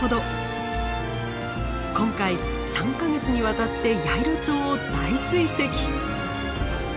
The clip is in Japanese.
今回３か月にわたってヤイロチョウを大追跡。